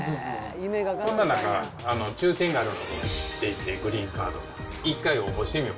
そんな中、抽せんがあるのを知っていて、グリーンカードの。